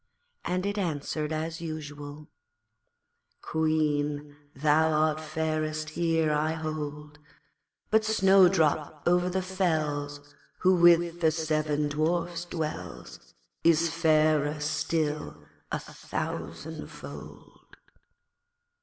and it answered as usual 'Queen, thou art fairest here, I hold, But Snowdrop over the fells, Who with the seven Dwarfs dwells, Is fairer still a thousandfold.'